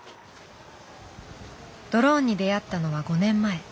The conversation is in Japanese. ドローンに出会ったのは５年前。